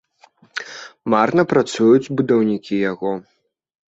Марна працуюць будаўнікі яго.